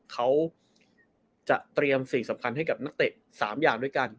เขาจะเตรียมสิ่งสำคัญให้กับนักเตะ๓อย่างด้วยกัน